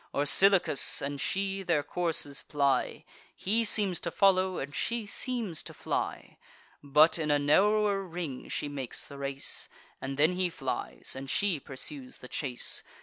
Orsilochus and she their courses ply: He seems to follow, and she seems to fly; But in a narrower ring she makes the race; And then he flies, and she pursues the chase.